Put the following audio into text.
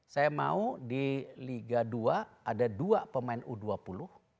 saya mau di liga dua ada dua pemain u dua puluh